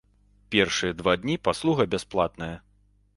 Першыя два дні паслуга бясплатная.